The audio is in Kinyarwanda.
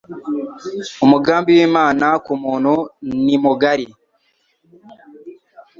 umugambi w’imana kumuntu ni mugari